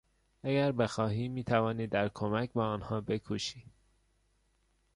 اگر بخواهی میتوانی در کمک به آنها بکوشی.